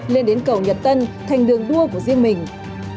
lên đến cầu nhật tân thành đường đua của riêng mình